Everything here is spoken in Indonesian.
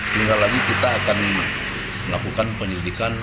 sebentar lagi kita akan melakukan penyelidikan